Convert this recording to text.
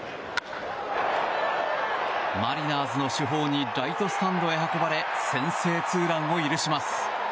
マリナーズの主砲にライトスタンドへ運ばれ先制ツーランを浴びます。